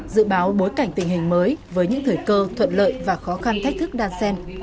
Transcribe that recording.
dự báo bối cảnh tình hình mới với những thời cơ thuận lợi và khó khăn thách thức đan sen